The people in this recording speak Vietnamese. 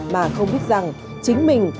mà không biết rằng chính mình